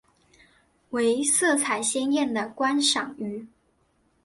为色彩鲜艳的观赏鱼。